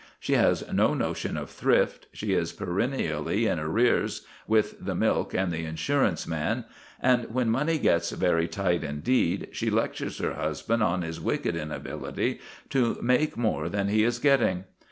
She has no notion of thrift; she is perennially in arrears with the milk and the insurance man; and when money gets very tight indeed, she lectures her husband on his wicked inability to make more than he is getting.